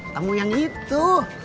tamu yang itu